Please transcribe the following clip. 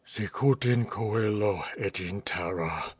"8icut in coeh, et in terra